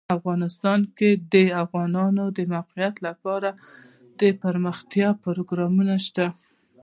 افغانستان کې د د افغانستان د موقعیت لپاره دپرمختیا پروګرامونه شته.